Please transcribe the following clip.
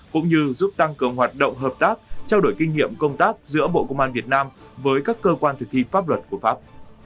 cũng như giúp tăng cường hoạt động hợp tác trao đổi kinh nghiệm công tác giữa bộ công an việt nam với các cơ quan thực thi pháp luật của pháp